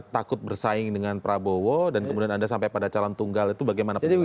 takut bersaing dengan prabowo dan kemudian anda sampai pada calon tunggal itu bagaimanapun juga